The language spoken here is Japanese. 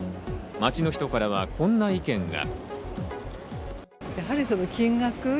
街の人からはこんな意見が。